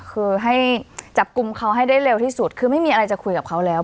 คือให้จับกลุ่มเขาให้ได้เร็วที่สุดคือไม่มีอะไรจะคุยกับเขาแล้ว